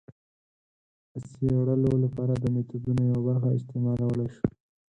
د څېړلو لپاره د میتودونو یوه برخه استعمالولای شو.